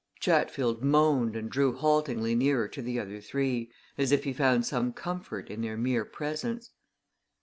Chatfield moaned and drew haltingly nearer to the other three, as if he found some comfort in their mere presence.